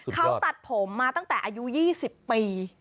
เขาตัดผมมาตั้งแต่อายุ๒๐ปี